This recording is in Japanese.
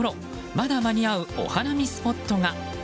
まだ間に合うお花見スポットが。